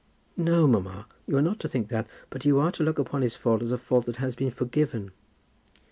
"No, mamma; you are not to think that; but you are to look upon his fault as a fault that has been forgiven."